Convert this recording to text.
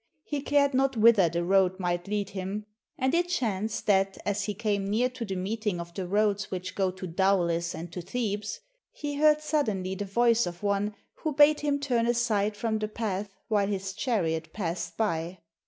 He cared not whither the road might lead him, and it chanced that as he came near to the meeting of the roads which go to Daulis and to Thebes, he heard suddenly the voice of one who bade him turn aside from the path while his chariot passed by.